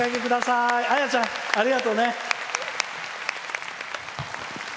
綾ちゃん、ありがとうね。